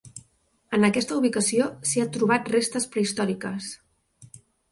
En aquesta ubicació s'hi ha trobat restes prehistòriques.